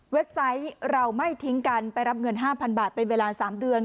ไซต์เราไม่ทิ้งกันไปรับเงิน๕๐๐บาทเป็นเวลา๓เดือน